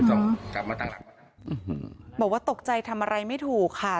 บอกว่าตกใจทำอะไรไม่ถูกค่ะ